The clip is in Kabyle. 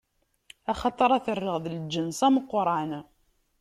Axaṭer ad t-rreɣ d lǧens ameqran.